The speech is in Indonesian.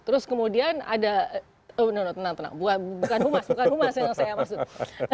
nah kemudian ada oh no no tenang tenang bukan humas yang saya maksud